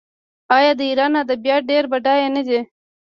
آیا د ایران ادبیات ډیر بډایه نه دي؟